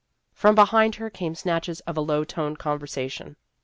From behind her came snatches of a low toned conversation.